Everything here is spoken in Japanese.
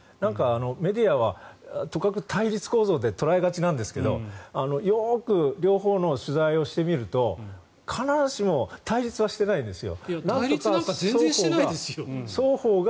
メディアはとかく対立構造で捉えがちなんですがよく両方の取材をしてみると必ずしも対立はしていないですよ。